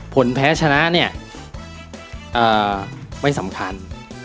ผลแพ้ชนะเนี่ยไม่สำคัญ